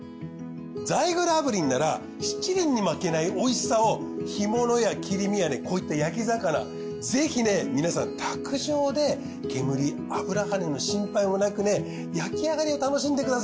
ザイグル炙輪ならしちりんに負けない美味しさを干物や切り身やねこういった焼き魚ぜひね皆さん卓上で煙油はねの心配もなくね焼き上がりを楽しんでください。